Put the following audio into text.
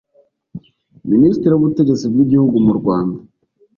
Minisitiri w’Ubutegetsi bw’igihugu mu Rwanda